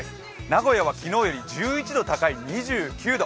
名古屋は昨日より１１度高い２９度。